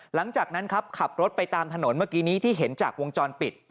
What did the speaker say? หลังจากนั้นครับขับรถไปตามถนนเมื่อกี้นี้ที่เห็นจากวงจรปิด